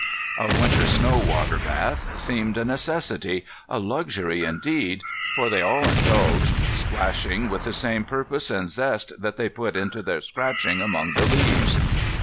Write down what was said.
A winter snow water bath seemed a necessity, a luxury indeed, for they all indulged, splashing with the same purpose and zest that they put into their scratching among the leaves.